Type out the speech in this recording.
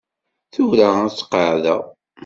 Tura ad t-qeɛɛdeɣ.